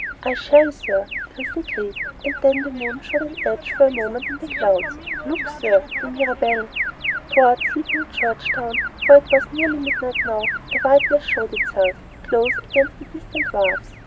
"I shall, sir!" Chris agreed, and then the moon showed an edge for a moment in the clouds. "Look sir the Mirabelle!" Toward sleeping Georgetown, for it was nearly midnight now, a whiteness showed itself, close against the distant wharfs.